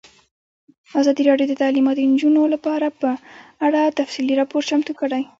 ازادي راډیو د تعلیمات د نجونو لپاره په اړه تفصیلي راپور چمتو کړی.